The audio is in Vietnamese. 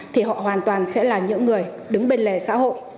thì họ hoàn toàn sẽ là những người đứng bên lề xã hội